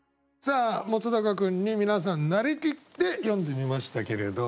本君に皆さんなりきって詠んでみましたけれど。